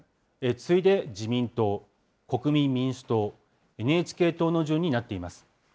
次いで自民党、国民民主党、ＮＨＫ党の順になっています。